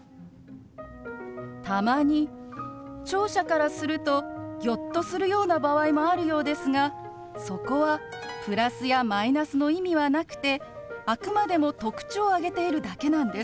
たまに聴者からするとギョッとするような場合もあるようですがそこはプラスやマイナスの意味はなくてあくまでも特徴を挙げているだけなんです。